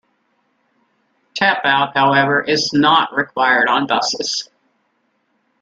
Tap out however is not required on buses.